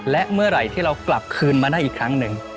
และเมื่อไหร่ที่เรากลับคืนมาได้อีกครั้งหนึ่ง